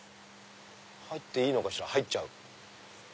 入っていいのかしら入っちゃう。